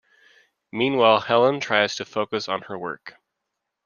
Meanwhile, Helen tries to focus on her work.